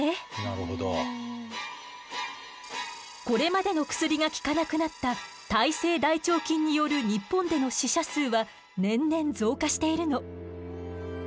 これまでの薬が効かなくなった耐性大腸菌による日本での死者数は年々増加しているの。